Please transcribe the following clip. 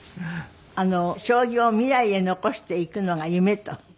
将棋を未来へ残していくのが夢と。